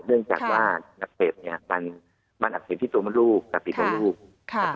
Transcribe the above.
เนื่องจากว่านักเก็บเนี่ยมันอักเสบที่ตัวมนุษย์กับอีกมนุษย์